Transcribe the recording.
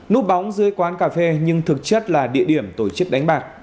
núp bóng dưới quán cà phê nhưng thực chất là địa điểm tổ chức đánh bạc